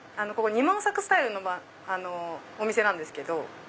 ここ二毛作スタイルのお店なんですけど。